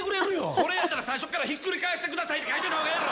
それやったら、最初っからひっくり返してくださいって書いといたほうがええやろ！